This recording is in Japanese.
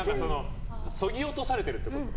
そぎ落とされてるってこと？